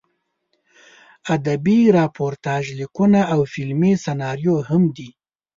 ادبي راپورتاژ لیکونه او فلمي سناریو هم دي.